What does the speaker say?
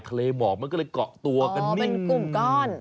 หมอกมันก็เลยเกาะตัวกันเป็นกลุ่มก้อน